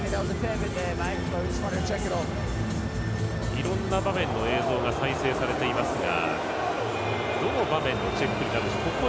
いろんな場面の映像が再生されていますがどの場面のチェックなのか。